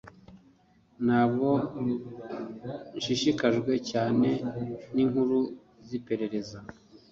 ntabwo nshishikajwe cyane ninkuru ziperereza